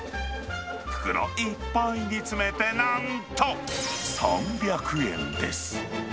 袋いっぱいに詰めて、なんと３００円です。